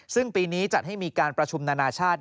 ซึ่งปีนี้จัดให้มีการประชุมนานาชาติ